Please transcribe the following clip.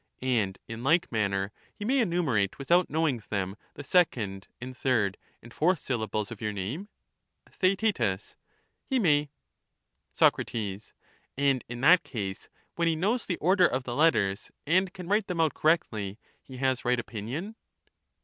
And in like manner he may enumerate without know ing them the second and third and fourth syllables of your name? Theaet. He may. Soc. And in that case, when he knows the order of the letters and can write them out correctly, he has right opinion